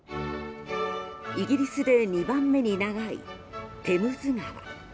イギリスで２番目に長いテムズ川。